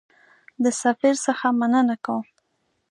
د سفیر څخه مننه کوم.